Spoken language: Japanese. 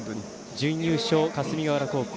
準優勝、霞ヶ浦高校。